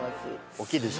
おっきいでしょ。